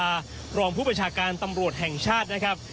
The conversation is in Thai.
รองผู้ประชาการตำรวจแห่งชาตินะครับ